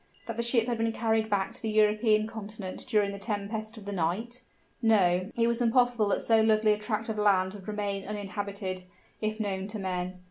that the ship had been carried back to the European Continent during the tempest of the night? No; it was impossible that so lovely a tract of land would remain uninhabited, if known to men.